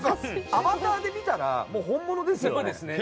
アバターで見たらもう本物ですよね。